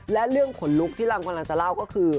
และเรื่องขนลุกที่เรากำลังจะเล่าก็คือ